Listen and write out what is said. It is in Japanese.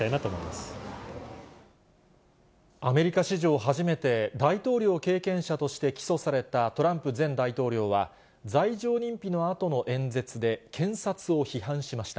まアメリカ史上初めて、大統領経験者として起訴されたトランプ前大統領は、罪状認否のあとの演説で、検察を批判しました。